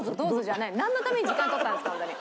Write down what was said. なんのために時間取ったんですかホントに。